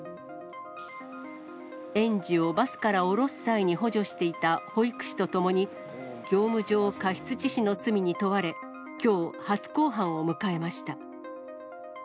園児をバスから降ろす際に補助していた保育士とともに、業務上過失致死の罪に問われ、きょう、初公判を迎えました。